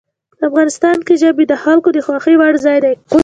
افغانستان کې ژبې د خلکو د خوښې وړ ځای دی.